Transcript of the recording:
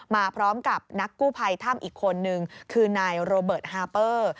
มาพร้อมกับนักกู้ภัยถ้ำอีกคนนึงคือนายโรเบิร์ตฮาเปอร์